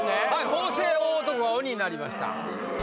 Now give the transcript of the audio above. ホウセイ大男が鬼になりました。